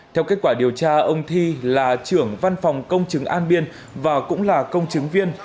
theo kết quả điều tra ông thi là trưởng văn phòng công chứng an biên và cũng là công chứng viên